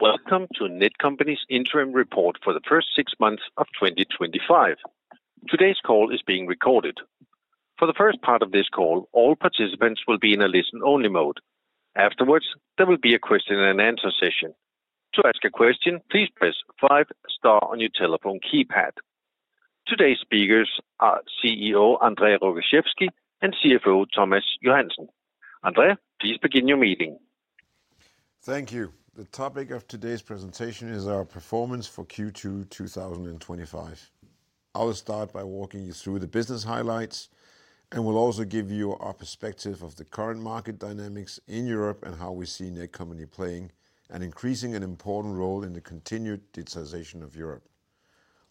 Welcome to Netcompany's Interim Report For The First Six Months Of 2025. Today's call is being recorded. For the first part of this call, all participants will be in a listen-only mode. Afterwards, there will be a question-and-answer session. To ask a question, please press five star on your telephone keypad. Today's speakers are CEO André Rogaczewski and CFO Thomas Johansen. André, please begin your meeting. Thank you. The topic of today's presentation is our performance for Q2 2025. I'll start by walking you through the business highlights, and we'll also give you our perspective of the current market dynamics in Europe and how we see Netcompany playing an increasing and important role in the continued digitization of Europe.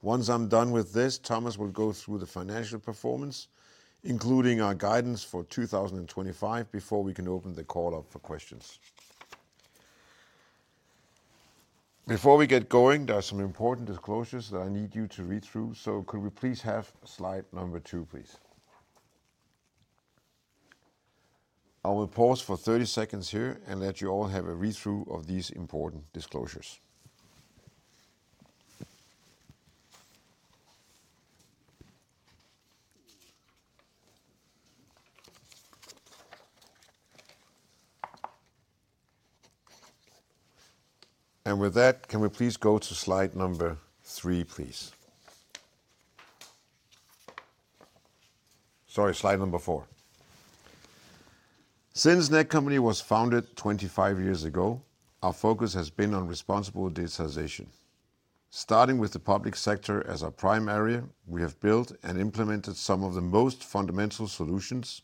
Once I'm done with this, Thomas will go through the financial performance, including our guidance for 2025, before we can open the call up for questions. Before we get going, there are some important disclosures that I need you to read through, so could we please have slide number two? I will pause for 30 seconds here and let you all have a read-through of these important disclosures. With that, can we please go to slide number three? Sorry, slide number four. Since Netcompany was founded 25 years ago, our focus has been on responsible digitization. Starting with the public sector as our prime area, we have built and implemented some of the most fundamental solutions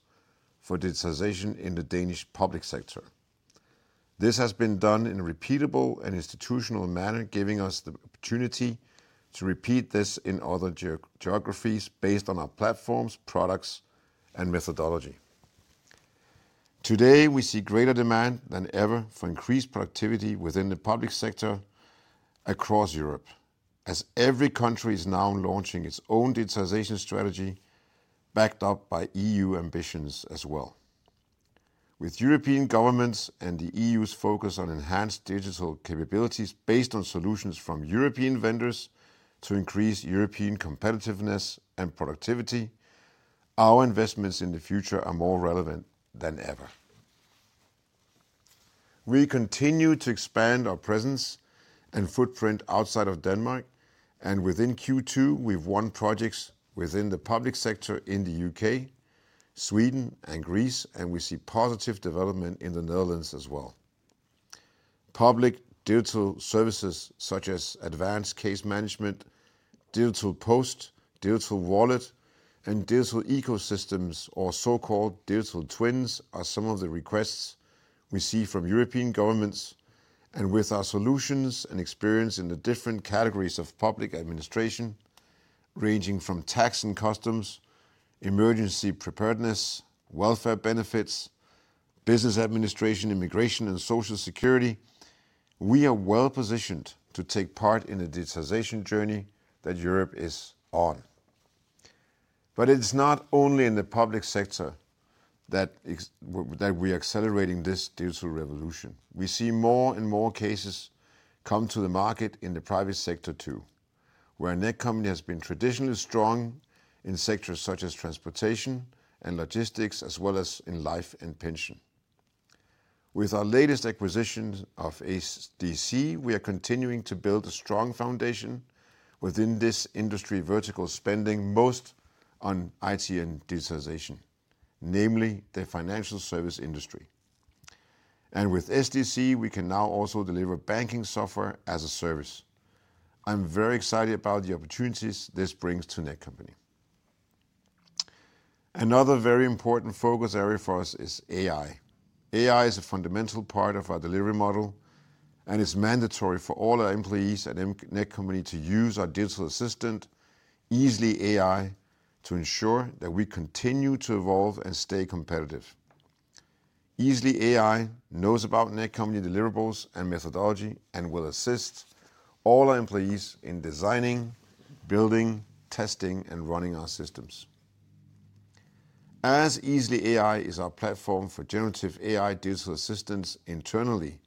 for digitization in the Danish public sector. This has been done in a repeatable and institutional manner, giving us the opportunity to repeat this in other geographies based on our platforms, products, and methodology. Today, we see greater demand than ever for increased productivity within the public sector across Europe, as every country is now launching its own digitization strategy, backed up by EU ambitions as well. With European governments and the EU's focus on enhanced digital capabilities based on solutions from European vendors to increase European competitiveness and productivity, our investments in the future are more relevant than ever. We continue to expand our presence and footprint outside of Denmark, and within Q2, we've won projects within the public sector in the U.K., Sweden, and Greece, and we see positive development in the Netherlands as well. Public digital services such as advanced case management, digital post, digital wallet, and digital ecosystems, or so-called digital twins, are some of the requests we see from European governments. With our solutions and experience in the different categories of public administration, ranging from tax and customs, emergency preparedness, welfare benefits, business administration, immigration, and social security, we are well positioned to take part in a digitization journey that Europe is on. It is not only in the public sector that we're accelerating this digital revolution. We see more and more cases come to the market in the private sector too, where Netcompany has been traditionally strong in sectors such as transportation and logistics, as well as in life and pension. With our latest acquisition of SDC, we are continuing to build a strong foundation within this industry vertical, spending most on IT and digitization, namely the financial service industry. With SDC, we can now also deliver banking software as a service. I'm very excited about the opportunities this brings to Netcompany. Another very important focus area for us is AI. AI is a fundamental part of our delivery model, and it's mandatory for all our employees at Netcompany to use our digital assistant, EASLEY AI, to ensure that we continue to evolve and stay competitive. EASLEY AI knows about Netcompany deliverables and methodology and will assist all our employees in designing, building, testing, and running our systems. As EASLEY AI is our platform for generative AI digital assistants internally,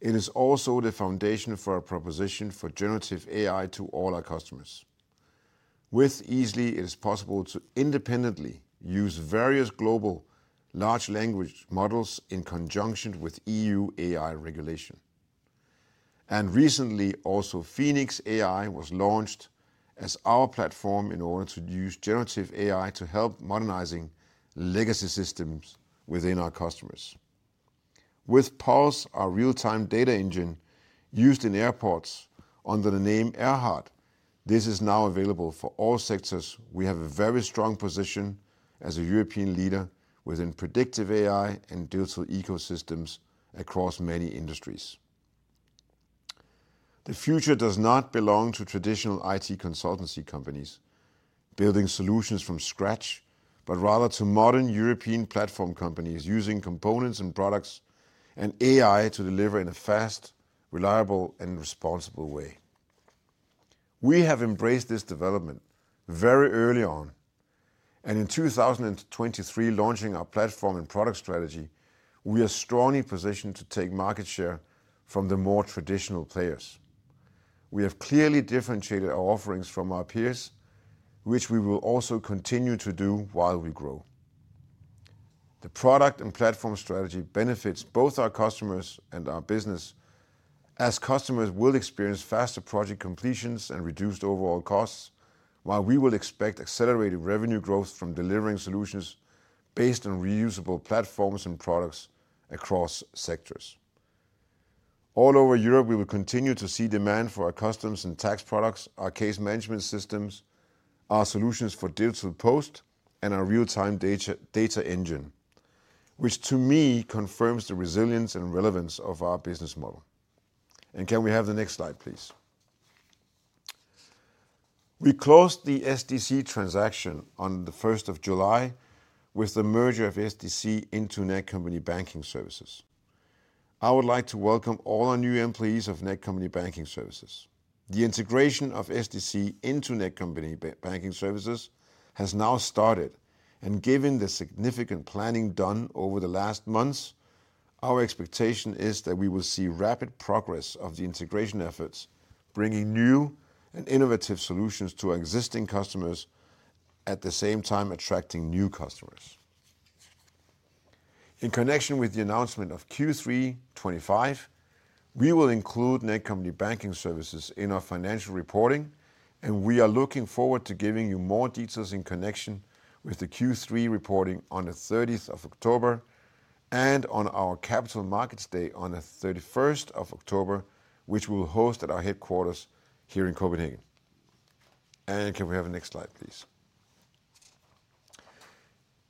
it is also the foundation for our proposition for generative AI to all our customers. With EASLEY, it is possible to independently use various global large language models in conjunction with EU AI regulation. Recently, also Phoenix AI was launched as our platform in order to use generative AI to help modernizing legacy systems within our customers. With PULSE, our real-time data engine used in airports under the name AIRHART, this is now available for all sectors. We have a very strong position as a European leader within predictive AI and digital ecosystems across many industries. The future does not belong to traditional IT consultancy companies building solutions from scratch, but rather to modern European platform companies using components and products and AI to deliver in a fast, reliable, and responsible way. We have embraced this development very early on, and in 2023, launching our platform and product strategy, we are strongly positioned to take market share from the more traditional players. We have clearly differentiated our offerings from our peers, which we will also continue to do while we grow. The product and platform strategy benefits both our customers and our business, as customers will experience faster project completions and reduced overall costs, while we will expect accelerated revenue growth from delivering solutions based on reusable platforms and products across sectors. All over Europe, we will continue to see demand for our customs and tax products, our case management systems, our solutions for digital post, and our real-time data engine, which to me confirms the resilience and relevance of our business model. Can we have the next slide, please? We closed the SDC transaction on the 1st of July with the merger of SDC into Netcompany Banking Services. I would like to welcome all our new employees of Netcompany Banking Services. The integration of SDC into Netcompany Banking Services has now started, and given the significant planning done over the last months, our expectation is that we will see rapid progress of the integration efforts, bringing new and innovative solutions to our existing customers, at the same time attracting new customers. In connection with the announcement of Q3 2025, we will include Netcompany Banking Services in our financial reporting, and we are looking forward to giving you more details in connection with the Q3 reporting on the 30th of October and on our Capital Markets Day on the 31st of October, which we will host at our headquarters here in Copenhagen. Can we have the next slide, please?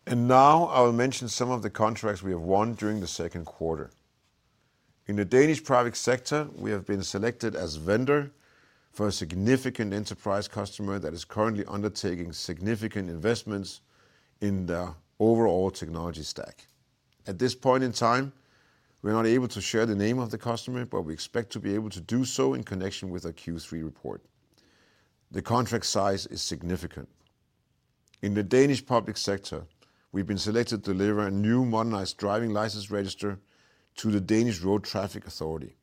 Now I will mention some of the contracts we have won during the second quarter. In the Danish private sector, we have been selected as a vendor for a significant enterprise customer that is currently undertaking significant investments in their overall technology stack. At this point in time, we're not able to share the name of the customer, but we expect to be able to do so in connection with our Q3 report. The contract size is significant. In the Danish public sector, we've been selected to deliver a new modernized driving license register to the Danish Road Traffic Authority.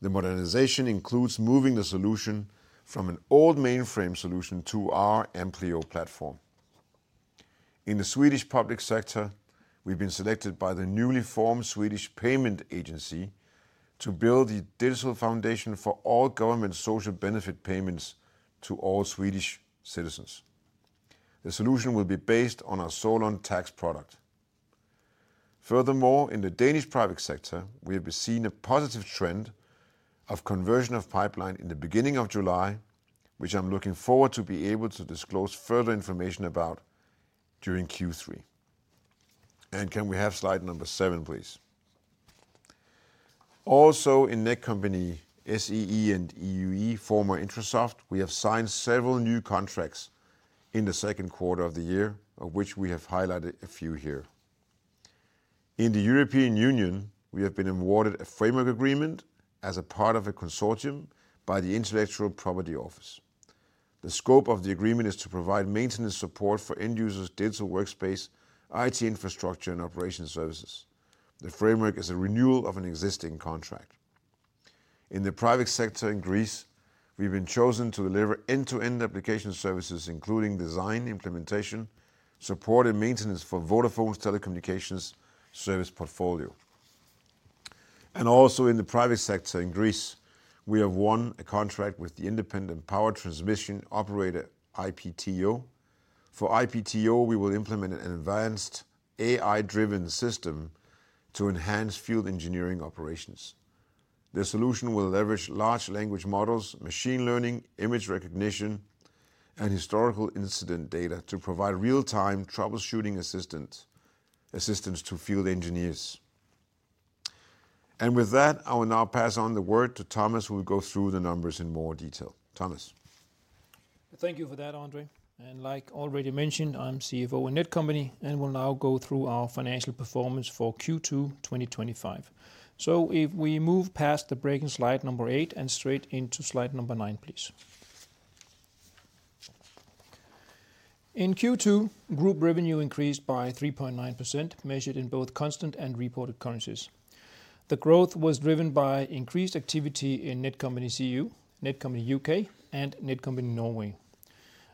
The modernization includes moving the solution from an old mainframe solution to our Mplo platform. In the Swedish public sector, we've been selected by the newly formed Swedish Payment Agency to build the digital foundation for all government social benefit payments to all Swedish citizens. The solution will be based on our SOLON TAX product. Furthermore, in the Danish private sector, we have seen a positive trend of conversion of pipeline in the beginning of July, which I'm looking forward to be able to disclose further information about during Q3. Can we have slide number seven, please? Also, in Netcompany CEU, former Intrasoft, we have signed several new contracts in the second quarter of the year, of which we have highlighted a few here. In the European Union, we have been awarded a framework agreement as a part of a consortium by the Intellectual Property Office. The scope of the agreement is to provide maintenance support for end users' digital workspace, IT infrastructure, and operation services. The framework is a renewal of an existing contract. In the private sector in Greece, we've been chosen to deliver end-to-end application services, including design, implementation, support, and maintenance for Vodafone's telecommunications service portfolio. Also, in the private sector in Greece, we have won a contract with the Independent Power Transmission Operator (IPTO). For IPTO, we will implement an advanced AI-driven system to enhance field engineering operations. The solution will leverage large language models, machine learning, image recognition, and historical incident data to provide real-time troubleshooting assistance to field engineers. With that, I will now pass on the word to Thomas, who will go through the numbers in more detail. Thomas. Thank you for that, André. Like already mentioned, I'm CFO at Netcompany, and we'll now go through our financial performance for Q2 2025. If we move past the breaking slide number eight and straight into slide number nine, please. In Q2, group revenue increased by 3.9%, measured in both constant and reported currencies. The growth was driven by increased activity in Netcompany CEU, Netcompany U.K., and Netcompany Norway.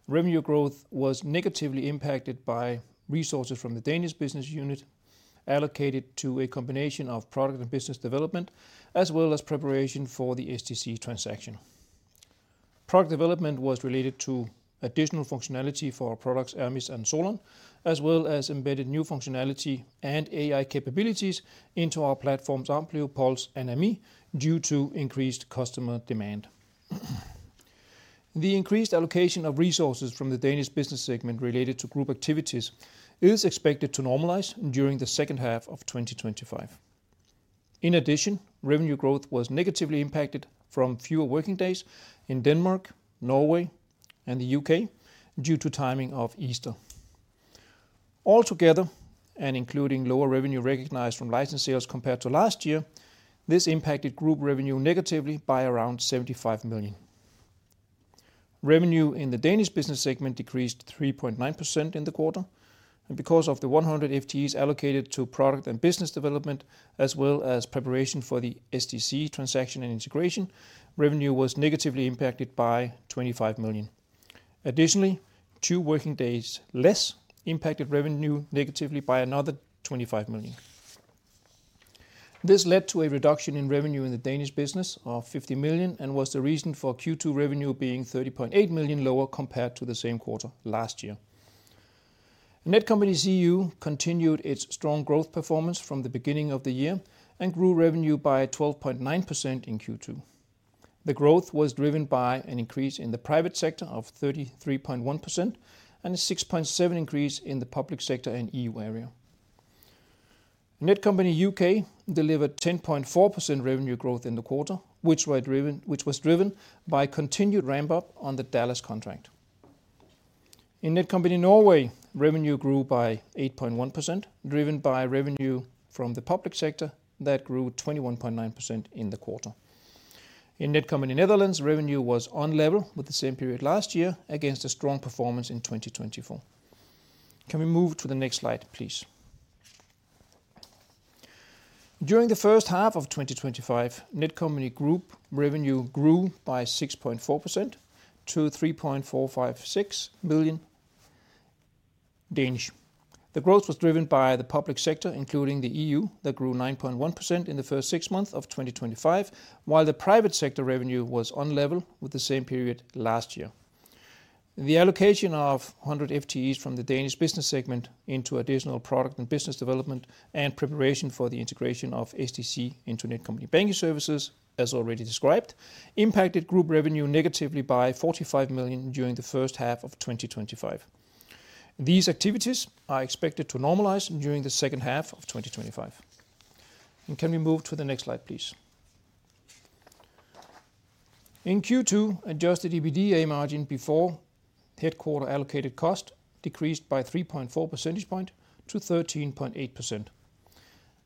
Revenue growth was negatively impacted by resources from the Danish business unit allocated to a combination of product and business development, as well as preparation for the SDC transaction. Product development was related to additional functionality for our products, AMIS and SOLON, as well as embedded new functionality and AI capabilities into our platforms, Amplio, PULSE, and AMI, due to increased customer demand. The increased allocation of resources from the Danish business segment related to group activities is expected to normalize during the second half of 2025. In addition, revenue growth was negatively impacted from fewer working days in Denmark, Norway, and the U.K. due to timing of Easter. Altogether, and including lower revenue recognized from license sales compared to last year, this impacted group revenue negatively by around 75 million. Revenue in the Danish business segment decreased 3.9% in the quarter, and because of the 100 FTEs allocated to product and business development, as well as preparation for the SDC transaction and integration, revenue was negatively impacted by 25 million. Additionally, two working days less impacted revenue negatively by another 25 million. This led to a reduction in revenue in the Danish business of 50 million and was the reason for Q2 revenue being 30.8 million lower compared to the same quarter last year. Netcompany CEU continued its strong growth performance from the beginning of the year and grew revenue by 12.9% in Q2. The growth was driven by an increase in the private sector of 33.1% and a 6.7% increase in the public sector and EU area. Netcompany U.K. delivered 10.4% revenue growth in the quarter, which was driven by continued ramp-up on the Dallas contract. In Netcompany Norway, revenue grew by 8.1%, driven by revenue from the public sector that grew 21.9% in the quarter. In Netcompany Netherlands, revenue was on level with the same period last year against a strong performance in 2024. Can we move to the next slide, please? During the first-half of 2025, Netcompany Group revenue grew by 6.4% to 3.456 million. The growth was driven by the public sector, including the EU, that grew 9.1% in the first six months of 2025, while the private sector revenue was on level with the same period last year. The allocation of 100 FTEs from the Danish business segment into additional product and business development and preparation for the integration of SDC into Netcompany Banking Services, as already described, impacted group revenue negatively by 45 million during the first half of 2025. These activities are expected to normalize during the second half of 2025. Can we move to the next slide, please? In Q2, adjusted EBITDA margin before headquarter allocated cost decreased by 3.4%-13.8%.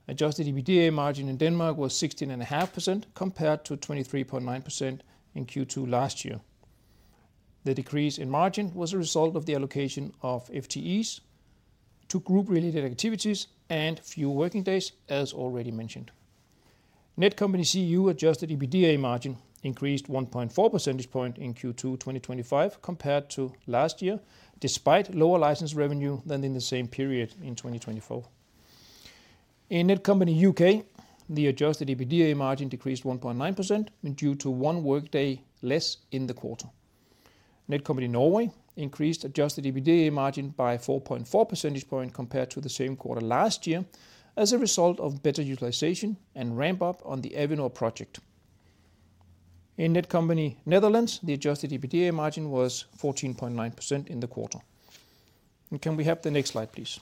Adjusted EBITDA margin in Denmark was 16.5% compared to 23.9% in Q2 last year. The decrease in margin was a result of the allocation of FTEs to group-related activities and fewer working days, as already mentioned. Netcompany CEU adjusted EBITDA margin increased 1.4% in Q2 2025 compared to last year, despite lower license revenue than in the same period in 2024. In Netcompany U.K., the adjusted EBITDA margin decreased 1.9% due to one workday less in the quarter. Netcompany Norway increased adjusted EBITDA margin by 4.4% compared to the same quarter last year as a result of better utilization and ramp-up on the Avenor project. In Netcompany Netherlands, the adjusted EBITDA margin was 14.9% in the quarter. Can we have the next slide, please?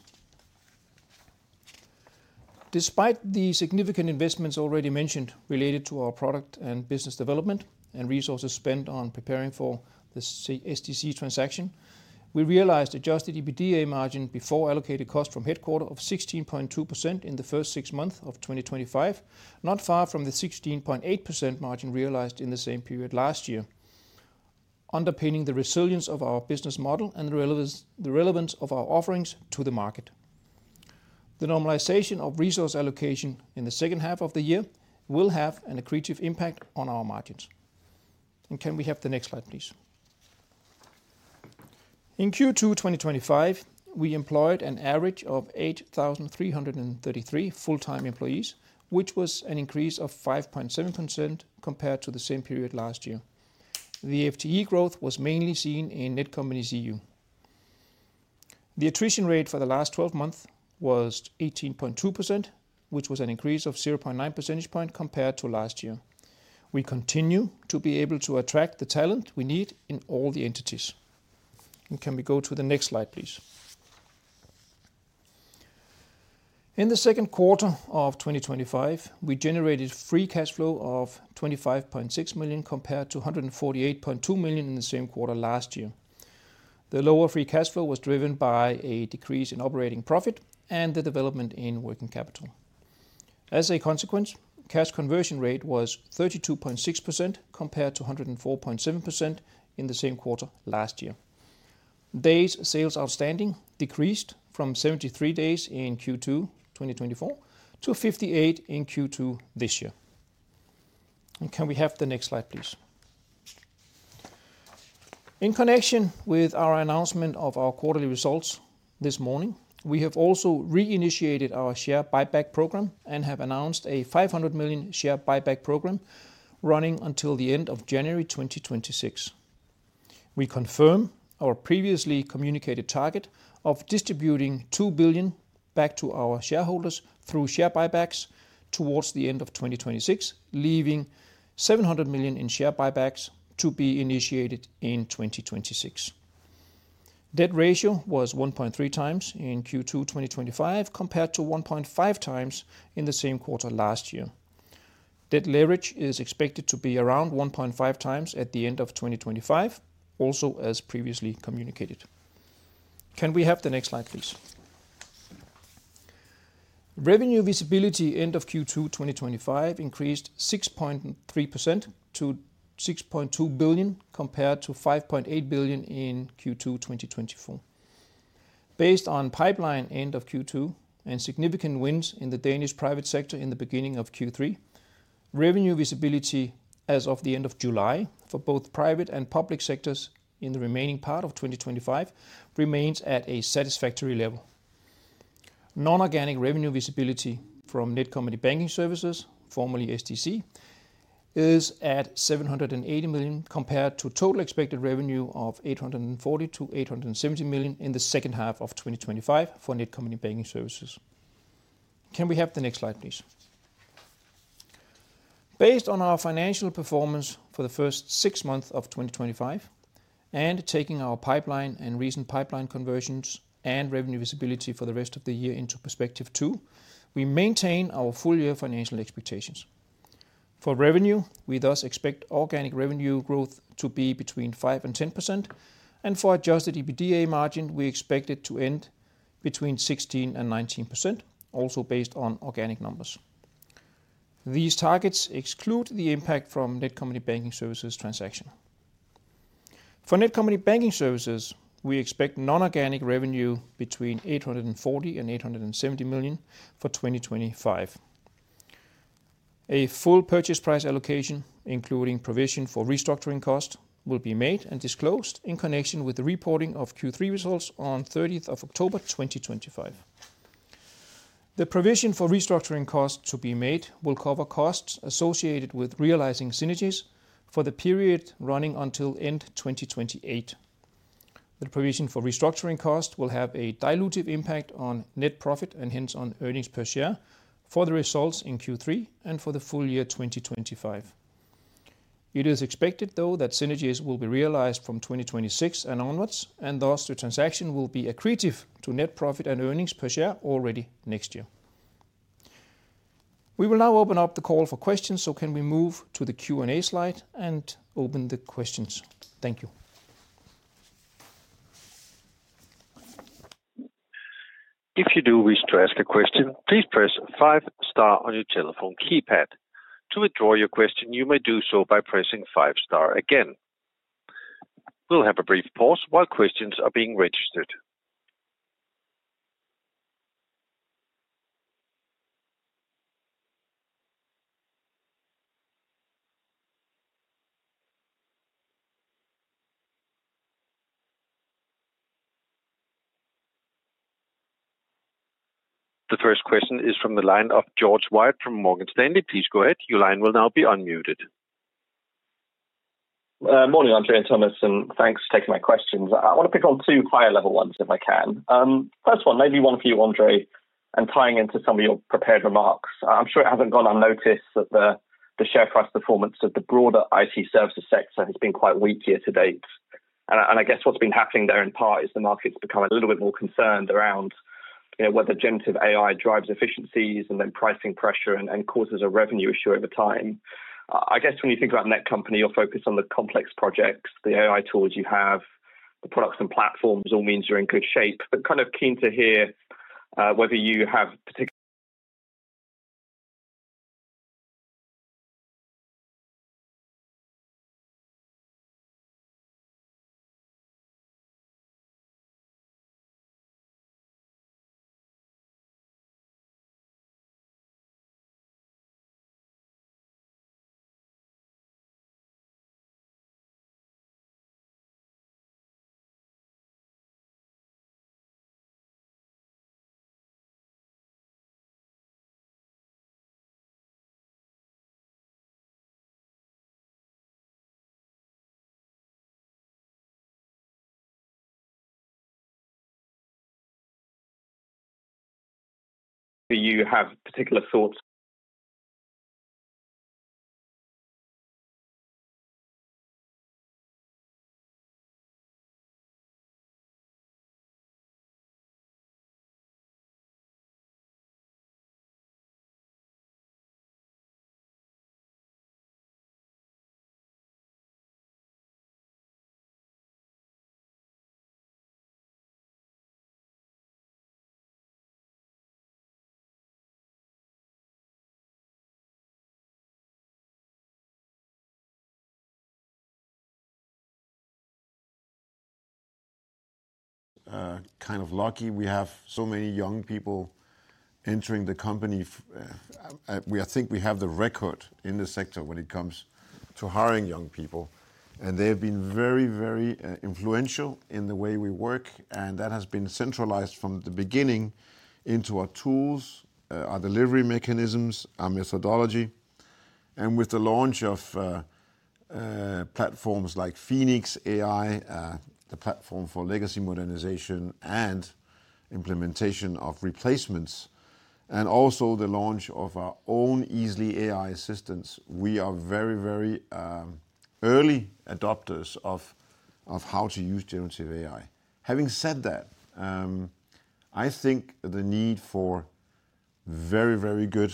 Despite the significant investments already mentioned related to our product and business development and resources spent on preparing for the SDC transaction, we realized adjusted EBITDA margin before allocated cost from headquarter of 16.2% in the first six months of 2025, not far from the 16.8% margin realized in the same period last year, underpinning the resilience of our business model and the relevance of our offerings to the market. The normalization of resource allocation in the second half of the year will have an accretive impact on our margins. Can we have the next slide, please? In Q2 2025, we employed an average of 8,333 full-time employees, which was an increase of 5.7% compared to the same period last year. The FTE growth was mainly seen in Netcompany CEU. The attrition rate for the last 12 months was 18.2%, which was an increase of 0.9% compared to last year. We continue to be able to attract the talent we need in all the entities. Can we go to the next slide, please? In the second quarter of 2025, we generated free cash flow of 25.6 million compared to 148.2 million in the same quarter last year. The lower free cash flow was driven by a decrease in operating profit and the development in working capital. As a consequence, cash conversion rate was 32.6% compared to 104.7% in the same quarter last year. Days sales outstanding decreased from 73 days in Q2 2024 to 58 in Q2 this year. Can we have the next slide, please? In connection with our announcement of our quarterly results this morning, we have also reinitiated our share buyback program and have announced a 500 million share buyback program running until the end of January 2026. We confirm our previously communicated target of distributing 2 billion back to our shareholders through share buybacks towards the end of 2026, leaving 700 million in share buybacks to be initiated in 2026. Debt ratio was 1.3x in Q2 2025 compared to 1.5x in the same quarter last year. Debt leverage is expected to be around 1.5x at the end of 2025, also as previously communicated. Can we have the next slide, please? Revenue visibility end of Q2 2025 increased 6.3% to 6.2 billion compared to 5.8 billion in Q2 2024. Based on pipeline end of Q2 and significant wins in the Danish private sector in the beginning of Q3, revenue visibility as of the end of July for both private and public sectors in the remaining part of 2025 remains at a satisfactory level. Non-organic revenue visibility from Netcompany Banking Services, formerly SDC, is at 780 million compared to total expected revenue of 840 million-870 million in the second half of 2025 for Netcompany Banking Services. Can we have the next slide, please? Based on our financial performance for the first six months of 2025 and taking our pipeline and recent pipeline conversions and revenue visibility for the rest of the year into perspective too, we maintain our full-year financial expectations. For revenue, we thus expect organic revenue growth to be between 5% and 10%, and for adjusted EBITDA margin, we expect it to end between 16% and 19%, also based on organic numbers. These targets exclude the impact from Netcompany Banking Services transaction. For Netcompany Banking Services, we expect non-organic revenue between 840 million and 870 million for 2025. A full purchase price allocation, including provision for restructuring costs, will be made and disclosed in connection with the reporting of Q3 results on 30th of October, 2025. The provision for restructuring costs to be made will cover costs associated with realizing synergies for the period running until end 2028. The provision for restructuring costs will have a dilutive impact on net profit and hence on earnings per share for the results in Q3 and for the full year 2025. It is expected, though, that synergies will be realized from 2026 and onwards, and thus the transaction will be accretive to net profit and earnings per share already next year. We will now open up the call for questions. Can we move to the Q&A slide and open the questions? Thank you. If you do wish to ask a question, please press five star on your telephone keypad. To withdraw your question, you may do so by pressing five star again. We'll have a brief pause while questions are being registered. The first question is from the line of George Webb from Morgan Stanley. Please go ahead. Your line will now be unmuted. Morning, André and Thomas, and thanks for taking my questions. I want to pick on two higher-level ones if I can. First one, maybe one for you, André, and tying into some of your prepared remarks. I'm sure it hasn't gone unnoticed that the share price performance of the broader IT services sector has been quite weak year to date. I guess what's been happening there in part is the market's become a little bit more concerned around whether generative AI drives efficiencies and then pricing pressure and causes a revenue issue over time. I guess when you think about Netcompany, you're focused on the complex projects, the AI tools you have, the products and platforms all means you're in good shape, but kind of keen to hear whether you have particular. Do you have particular thoughts? Kind of lucky, we have so many young people entering the company. I think we have the record in the sector when it comes to hiring young people, and they've been very, very influential in the way we work, and that has been centralized from the beginning into our tools, our delivery mechanisms, our methodology. With the launch of platforms like Phoenix AI, the platform for legacy modernization and implementation of replacements, and also the launch of our own EASLEY AI assistants, we are very, very early adopters of how to use generative AI. Having said that, I think the need for very, very good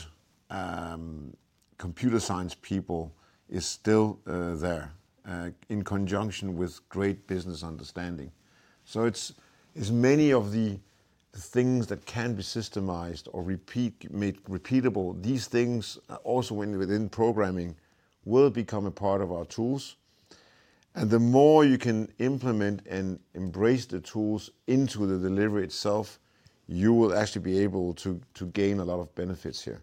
computer science people is still there in conjunction with great business understanding. It's many of the things that can be systemized or repeatable. These things also within programming will become a part of our tools. The more you can implement and embrace the tools into the delivery itself, you will actually be able to gain a lot of benefits here.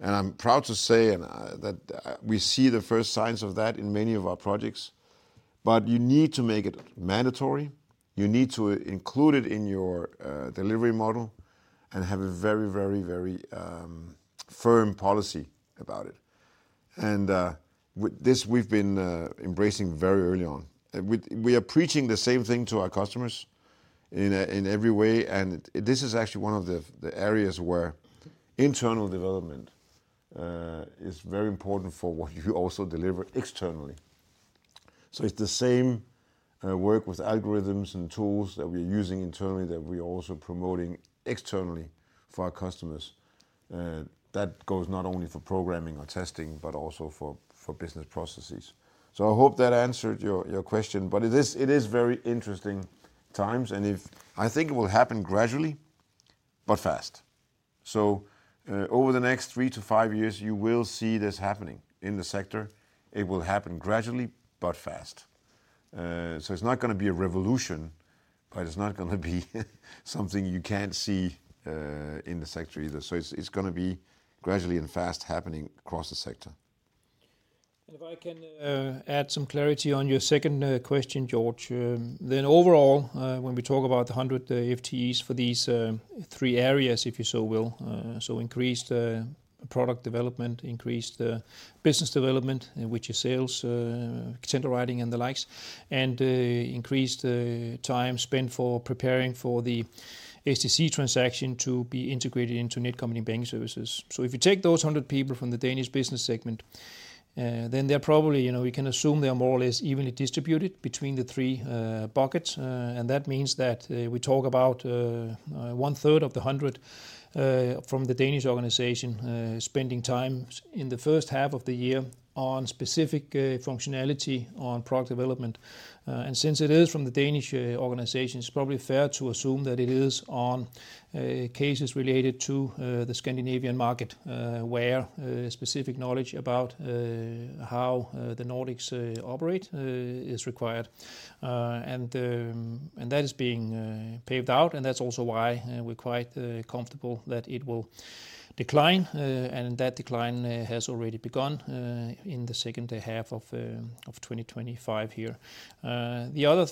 I'm proud to say that we see the first signs of that in many of our projects, but you need to make it mandatory. You need to include it in your delivery model and have a very, very, very firm policy about it. With this, we've been embracing very early on. We are preaching the same thing to our customers in every way, and this is actually one of the areas where internal development is very important for what you also deliver externally. It's the same work with algorithms and tools that we are using internally that we are also promoting externally for our customers. That goes not only for programming or testing, but also for business processes. I hope that answered your question, but it is very interesting times, and I think it will happen gradually, but fast. Over the next three to five years, you will see this happening in the sector. It will happen gradually, but fast. It's not going to be a revolution, but it's not going to be something you can't see in the sector either. It's going to be gradually and fast happening across the sector. If I can add some clarity on your second question, George, then overall, when we talk about the 100 FTEs for these three areas, if you will, increased product development, increased business development, which is sales, tender writing, and the likes, and increased time spent for preparing for the SDC transaction to be integrated into Netcompany Banking Services. If you take those 100 people from the Danish business segment, then they're probably, you know, we can assume they're more or less evenly distributed between the three buckets. That means we talk about 1/3 of the 100 from the Danish organization spending time in the first half of the year on specific functionality on product development. Since it is from the Danish organization, it's probably fair to assume that it is on cases related to the Scandinavian market, where specific knowledge about how the Nordics operate is required. That is being paved out, and that's also why we're quite comfortable that it will decline, and that decline has already begun in the second half of 2025 here. The other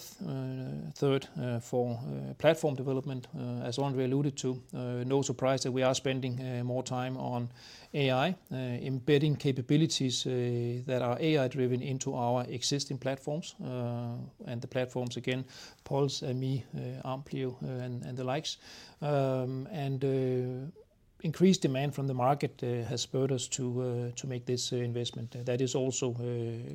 third for platform development, as André alluded to, no surprise that we are spending more time on AI, embedding capabilities that are AI-driven into our existing platforms, and the platforms again, PULSE, AMI, Amplio, and the likes. Increased demand from the market has spurred us to make this investment. That is also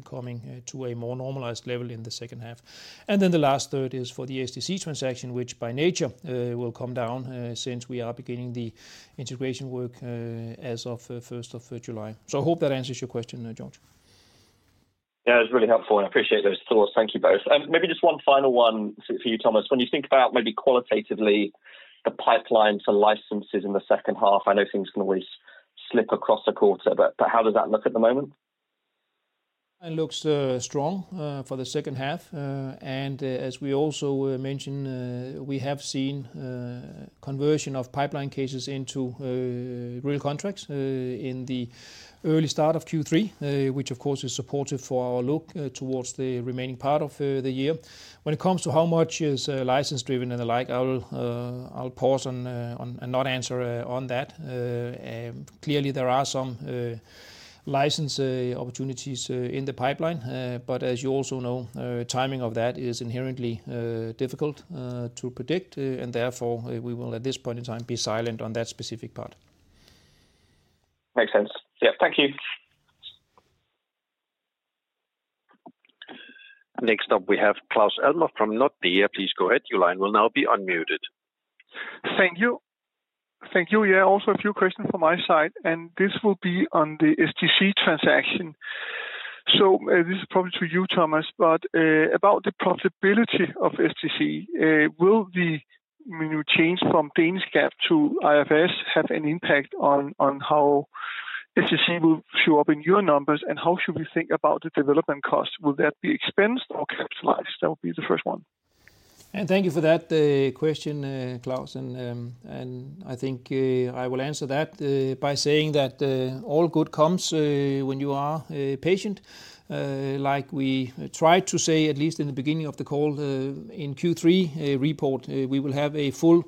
coming to a more normalized level in the second half. The last third is for the SDC transaction, which by nature will come down since we are beginning the integration work as of 1st of July. I hope that answers your question, George. Yeah, it was really helpful, and I appreciate those thoughts. Thank you both. Maybe just one final one for you, Thomas. When you think about maybe qualitatively the pipeline for licenses in the second half, I know things can always slip across a quarter, but how does that look at the moment? It looks strong for the second half. As we also mentioned, we have seen conversion of pipeline cases into real contracts in the early start of Q3, which of course is supportive for our look towards the remaining part of the year. When it comes to how much is license driven and the like, I'll pause and not answer on that. Clearly, there are some license opportunities in the pipeline, but as you also know, timing of that is inherently difficult to predict, and therefore we will at this point in time be silent on that specific part. Makes sense. Thank you. Next up, we have Claus Almer from Nordea. Please go ahead. Your line will now be unmuted. Thank you. Thank you. Yeah, also a few questions from my side, and this will be on the SDC transaction. This is probably to you, Thomas, but about the profitability of SDC, will the new change from Danish GAAP to IFRS have an impact on how SDC will show up in your numbers, and how should we think about the development cost? Will that be expensed or capitalized? That would be the first one. Thank you for that question, Claus. I think I will answer that by saying that all good comes when you are patient. Like we tried to say, at least in the beginning of the call, in the Q3 report, we will have a full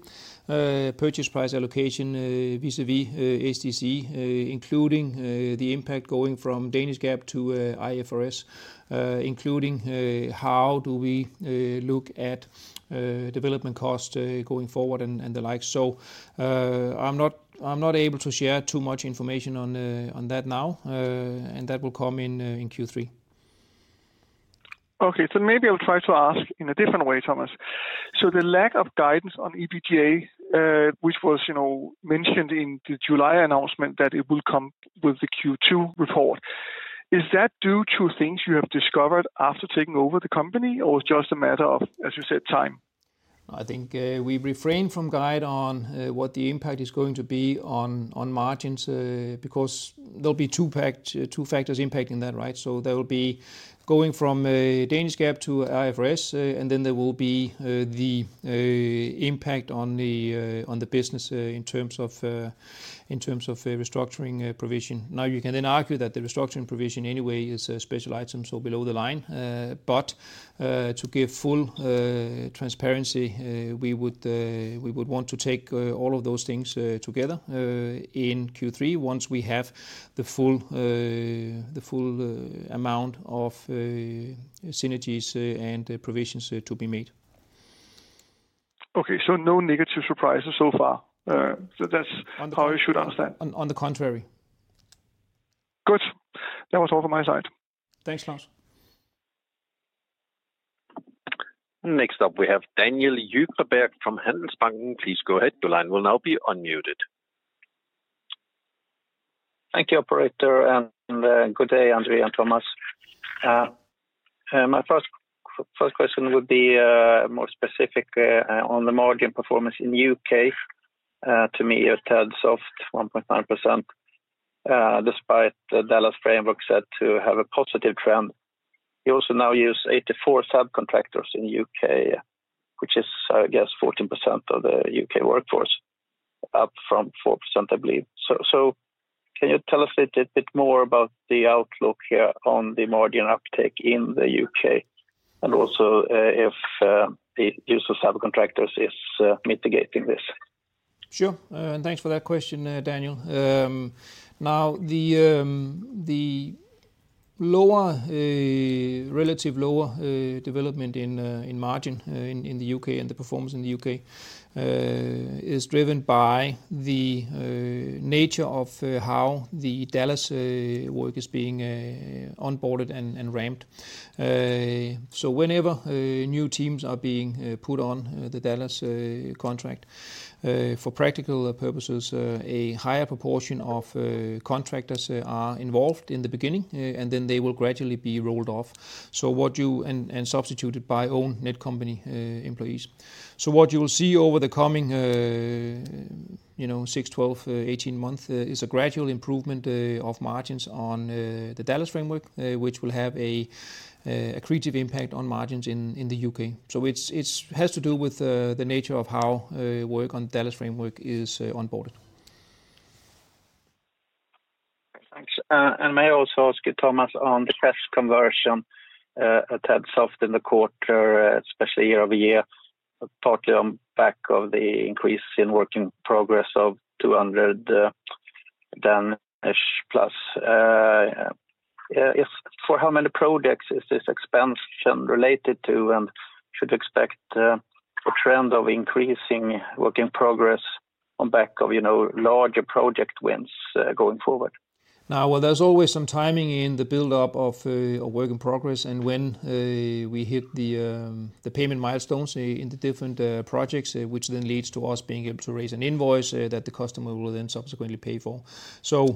purchase price allocation vis-à-vis SDC, including the impact going from Danish GAAP to IFRS, including how we look at development cost going forward and the likes. I'm not able to share too much information on that now, and that will come in Q3. Okay, maybe I'll try to ask in a different way, Thomas. The lack of guidance on EBITDA, which was mentioned in the July announcement that it will come with the Q2 report, is that due to things you have discovered after taking over the company, or just a matter of, as you said, time? I think we refrain from guide on what the impact is going to be on margins because there'll be two factors impacting that, right? There will be going from Danish GAAP to IFRS, and then there will be the impact on the business in terms of restructuring provision. You can then argue that the restructuring provision anyway is a special item, so below the line. To give full transparency, we would want to take all of those things together in Q3 once we have the full amount of synergies and provisions to be made. Okay, no negative surprises so far. That's how you should understand. On the contrary. Good. That was all from my side. Thanks, Claus. Next up, we have Daniel Djurberg from Handelsbanken. Please go ahead. Your line will now be unmuted. Thank you, operator, and good day, André and Thomas. My first question would be more specific on the margin performance in the U.K.. To me, that’s off 1.9% despite the Dallas framework set to have a positive trend. You also now use 84 subcontractors in the U.K., which is, I guess, 14% of the U.K. workforce, up from 4%, I believe. Can you tell us a bit more about the outlook here on the margin uptake in the U.K. and also if the use of subcontractors is mitigating this? Sure. Thanks for that question, Daniel. The lower, relative lower development in margin in the U.K. and the performance in the U.K. is driven by the nature of how the Dallas work is being onboarded and ramped. Whenever new teams are being put on the Dallas contract, for practical purposes, a higher proportion of contractors are involved in the beginning, and then they will gradually be rolled off and substituted by own Netcompany employees. What you will see over the coming 6, 12, 18 months is a gradual improvement of margins on the Dallas framework, which will have a creative impact on margins in the U.K. It has to do with the nature of how work on the Dallas framework is onboarded. Thanks. May I also ask you, Thomas, on the test conversion of SDC in the quarter, especially year-over-year, I've talked to him back of the increase in work in progress of 200 million+. Yes. For how many projects is this expansion related to, and should we expect a trend of increasing work in progress on back of, you know, larger project wins going forward? Now, there's always some timing in the build-up of work in progress and when we hit the payment milestones in the different projects, which then leads to us being able to raise an invoice that the customer will then subsequently pay for.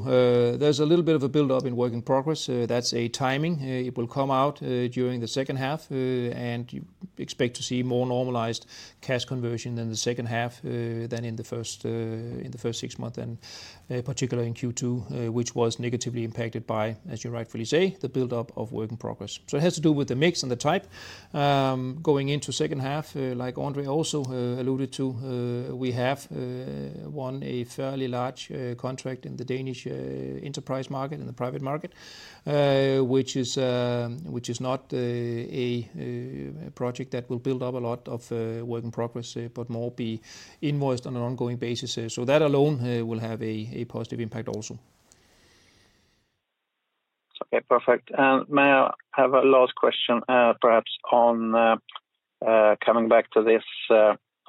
There's a little bit of a build-up in work in progress. That's a timing. It will come out during the second half, and you expect to see more normalized cash conversion in the second half than in the first six months, particularly in Q2, which was negatively impacted by, as you rightfully say, the build-up of work in progress. It has to do with the mix and the type. Going into the second half, like André also alluded to, we have won a fairly large contract in the Danish enterprise market, in the private market, which is not a project that will build up a lot of work in progress, but more be invoiced on an ongoing basis. That alone will have a positive impact also. Perfect. May I have a last question, perhaps on coming back to this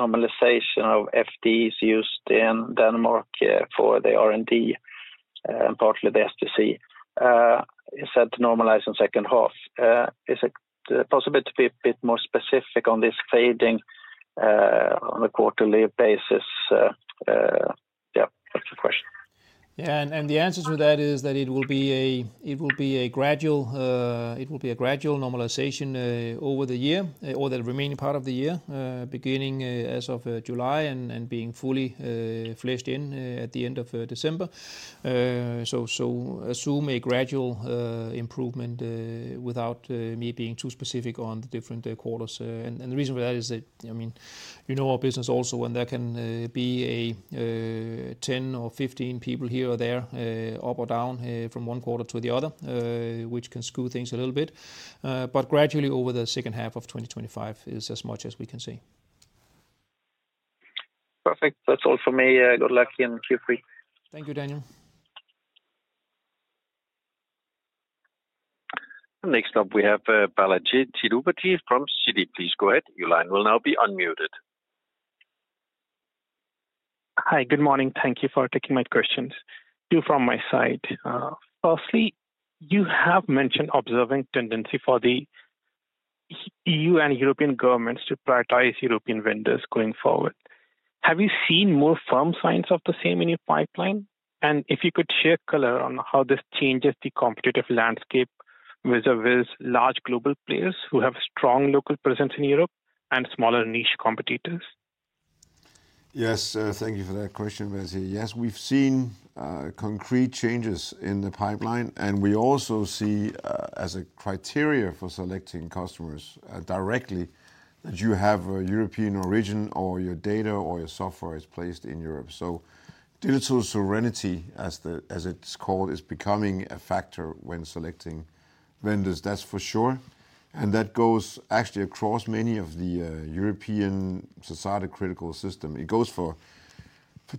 normalization of FTEs used in Denmark for the R&D and partly the SDC? You said to normalize in the second half. Is it possible to be a bit more specific on this fading on a quarterly basis? Yeah, that's the question. Yeah, the answer to that is that it will be a gradual normalization over the year, or the remaining part of the year, beginning as of July and being fully fleshed in at the end of December. Assume a gradual improvement without me being too specific on the different quarters. The reason for that is that, I mean, you know our business also, and there can be 10 or 15 people here or there, up or down from one quarter to the other, which can scoot things a little bit. Gradually over the second half of 2025, it's as much as we can see. Thanks. That's all for me. Good luck in Q3. Thank you, Daniel. Next up, we have Balajee Tirupati from Citi. Please go ahead. Your line will now be unmuted. Hi, good morning. Thank you for taking my questions. Two from my side. Firstly, you have mentioned observing a tendency for the EU and European governments to prioritize European vendors going forward. Have you seen more firm signs of the same in your pipeline? If you could share color on how this changes the competitive landscape vis-à-vis large global players who have a strong local presence in Europe and smaller niche competitors? Yes, sir. Thank you for that question, Balajee. Yes, we've seen concrete changes in the pipeline, and we also see as a criteria for selecting customers directly that you have European origin or your data or your software is placed in Europe. Digital sovereignty, as it's called, is becoming a factor when selecting vendors, that's for sure. That goes actually across many of the European society critical systems. It goes for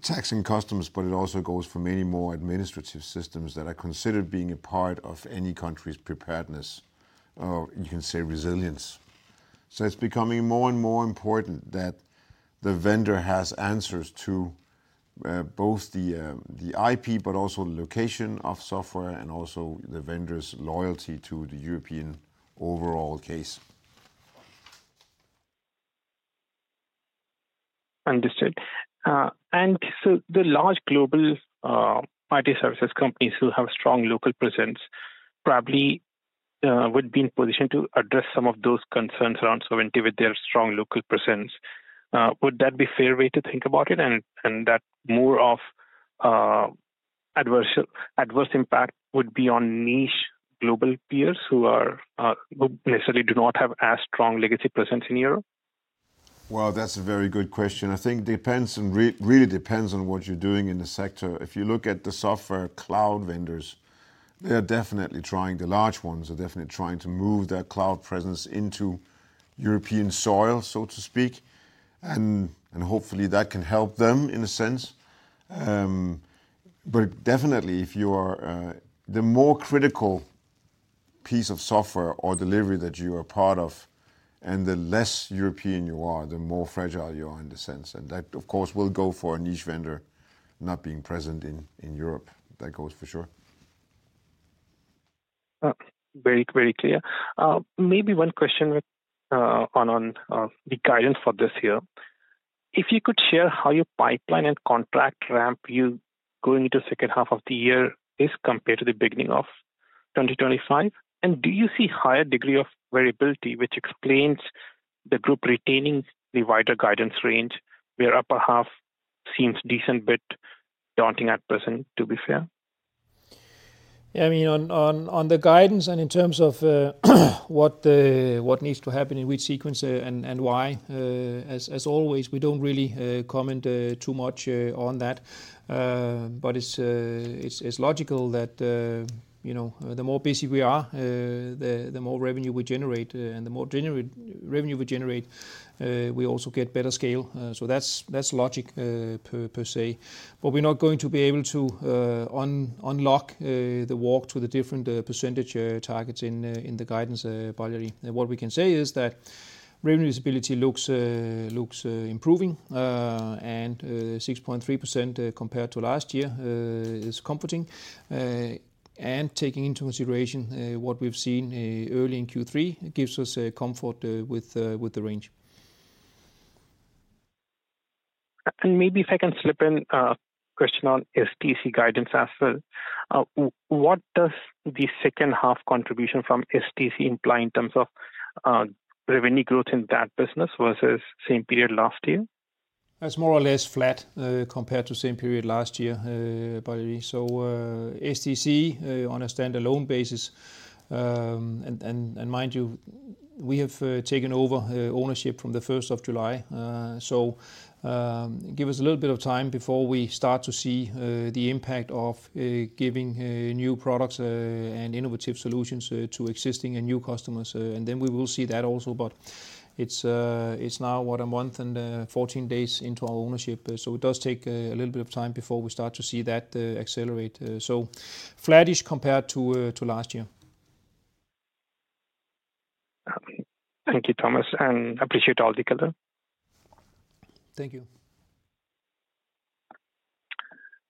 taxing customers, but it also goes for many more administrative systems that are considered being a part of any country's preparedness, or you can say resilience. It's becoming more and more important that the vendor has answers to both the IP, but also the location of software and also the vendor's loyalty to the European overall case. Understood. The large global IT services companies who have a strong local presence probably would be in a position to address some of those concerns around sovereignty with their strong local presence. Would that be a fair way to think about it? That more of adverse impact would be on niche global peers who necessarily do not have as strong legacy presence in Europe? That is a very good question. I think it depends and really depends on what you're doing in the sector. If you look at the software cloud vendors, they are definitely trying, the large ones are definitely trying to move their cloud presence into European soil, so to speak. Hopefully, that can help them in a sense. Definitely, if you are the more critical piece of software or delivery that you are part of, and the less European you are, the more fragile you are in the sense. That, of course, will go for a niche vendor not being present in Europe. That goes for sure. Very, very clear. Maybe one question on the guidance for this year. If you could share how your pipeline and contract ramp you go into the second half of the year is compared to the beginning of 2025, and do you see a higher degree of variability, which explains the group retaining the wider guidance range, where the upper half seems a decent bit daunting at present, to be fair? Yeah, I mean, on the guidance and in terms of what needs to happen in which sequence and why, as always, we don't really comment too much on that. It's logical that, you know, the more basic we are, the more revenue we generate, and the more revenue we generate, we also get better scale. That's logic per se. We're not going to be able to unlock the walk to the different percentage targets in the guidance, by the way. What we can say is that revenue visibility looks improving, and 6.3% compared to last year is comforting. Taking into consideration what we've seen early in Q3, it gives us comfort with the range. If I can slip in a question on SDC guidance as well, what does the second half contribution from SDC imply in terms of revenue growth in that business versus the same period last year? That's more or less flat compared to the same period last year, by the way. SDC on a standalone basis, and mind you, we have taken over ownership from the 1st of July. Give us a little bit of time before we start to see the impact of giving new products and innovative solutions to existing and new customers. We will see that also, but it's now what, a month and 14 days into our ownership. It does take a little bit of time before we start to see that accelerate. Flattish compared to last year. Okay. Thank you, Thomas, and I appreciate all the candor. Thank you.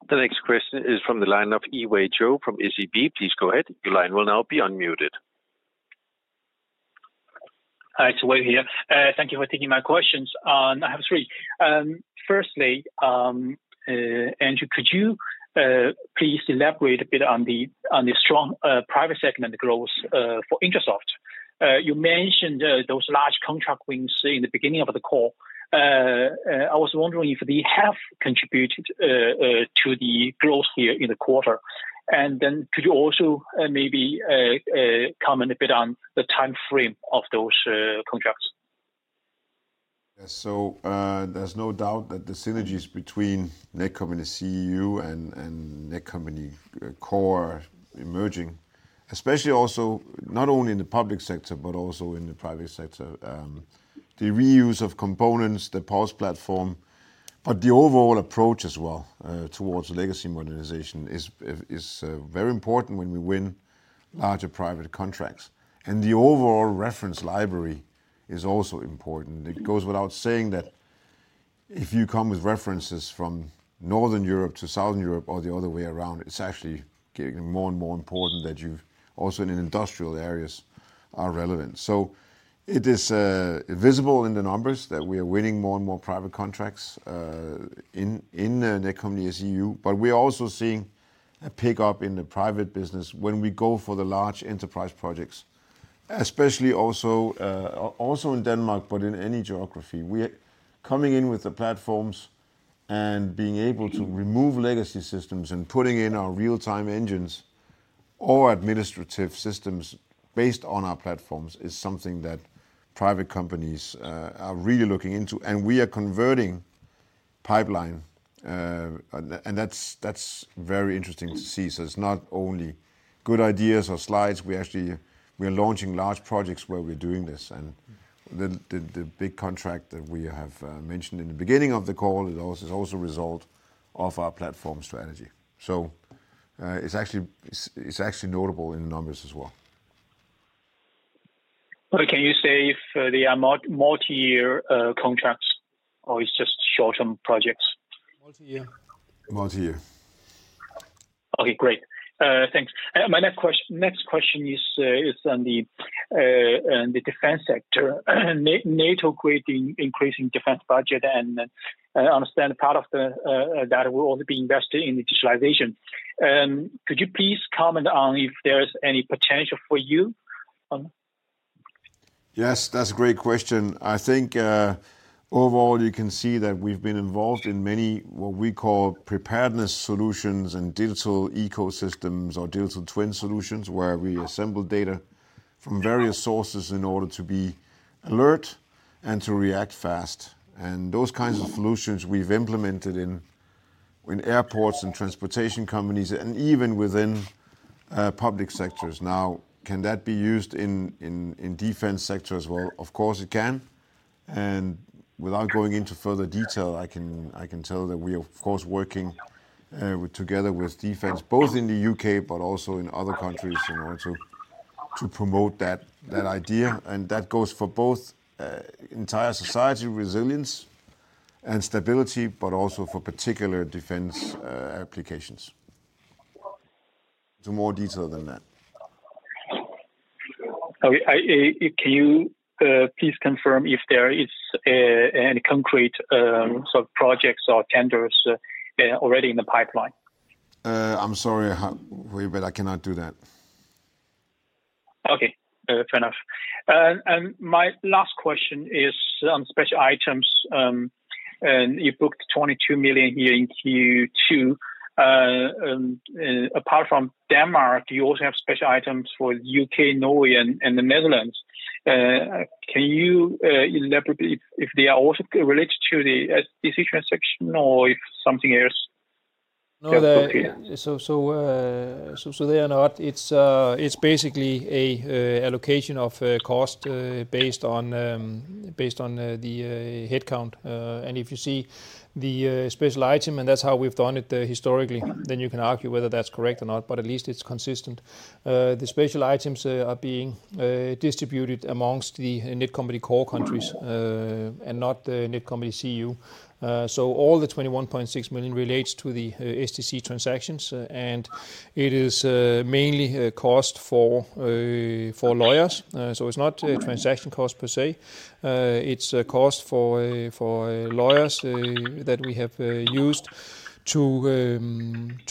The next question is from the line of Yiwei Zhou from SEB. Please go ahead. Your line will now be unmuted. It's Yiwei here. Thank you for taking my questions. I have three. Firstly, André, could you please elaborate a bit on the strong private segment growth for Netcompany? You mentioned those large contract wins in the beginning of the call. I was wondering if they have contributed to the growth here in the quarter. Could you also maybe comment a bit on the timeframe of those contracts? Yes. There's no doubt that the synergies between Netcompany CEU and Netcompany Core are emerging, especially also not only in the public sector, but also in the private sector. The reuse of components, the PULSE platform, or the overall approach as well towards legacy modernization is very important when we win larger private contracts. The overall reference library is also important. It goes without saying that if you come with references from Northern Europe to Southern Europe or the other way around, it's actually getting more and more important that you also in industrial areas are relevant. It is visible in the numbers that we are winning more and more private contracts in Netcompany CEU, but we're also seeing a pickup in the private business when we go for the large enterprise projects, especially also in Denmark, but in any geography. We're coming in with the platforms and being able to remove legacy systems and putting in our real-time engines or administrative systems based on our platforms is something that private companies are really looking into. We are converting pipeline, and that's very interesting to see. It's not only good ideas or slides, we actually are launching large projects where we're doing this. The big contract that we have mentioned in the beginning of the call is also a result of our platform strategy. It's actually notable in the numbers as well. Can you say for the multi-year contracts, or it's just short-term projects? Multi-year. Multi-year. Okay, great. Thanks. My next question is on the defense sector and NATO increasing defense budget, and I understand part of that will only be invested in the digitalization. Could you please comment on if there's any potential for you? Yes, that's a great question. I think overall you can see that we've been involved in many what we call preparedness solutions and digital ecosystems or digital twin solutions, where we assemble data from various sources in order to be alert and to react fast. Those kinds of solutions we've implemented in airports and transportation companies and even within public sectors. Can that be used in the defense sector as well? Of course, it can. Without going into further detail, I can tell that we are, of course, working together with defense both in the U.K., but also in other countries in order to promote that idea. That goes for both entire society resilience and stability, but also for particular defense applications. To more detail than that. Can you please confirm if there are any concrete projects or tenders already in the pipeline? I'm sorry, but I cannot do that. Okay, fair enough. My last question is on special items. You booked 22 million here in Q2. Apart from Denmark, do you also have special items for the U.K., Norway, and the Netherlands? Can you elaborate if they are also related to the SDC transaction or if something else? No, so they are not. It's basically an allocation of cost based on the headcount. If you see the special item, and that's how we've done it historically, then you can argue whether that's correct or not, but at least it's consistent. The special items are being distributed amongst the Netcompany Core countries and not the Netcompany CEU. All the 21.6 million relates to the SDC transactions, and it is mainly a cost for lawyers. It's not a transaction cost per se. It's a cost for lawyers that we have used to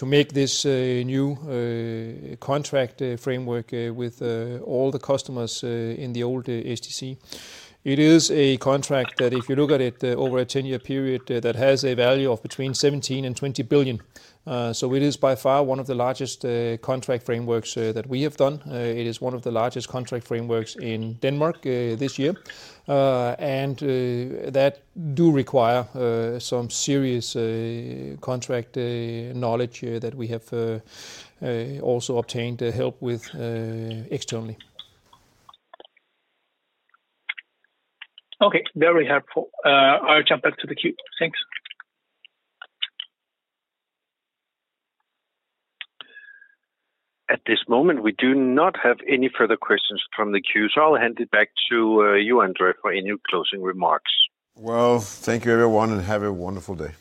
make this new contract framework with all the customers in the old SDC. It is a contract that, if you look at it over a 10-year period, has a value of between 17 billion and 20 billion. It is by far one of the largest contract frameworks that we have done. It is one of the largest contract frameworks in Denmark this year. That does require some serious contract knowledge that we have also obtained help with externally. Okay, very helpful. I'll jump back to the queue. Thanks. At this moment, we do not have any further questions from the queue, so I'll hand it back to you, André, for any closing remarks. Thank you, everyone, and have a wonderful day.